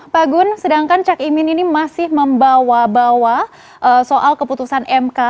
pak gun sedangkan cak imin ini masih membawa bawa soal keputusan mk